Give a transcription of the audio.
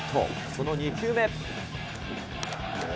その２球目。